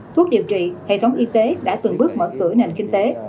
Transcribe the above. thuốc điều trị hệ thống y tế đã từng bước mở cửa nền kinh tế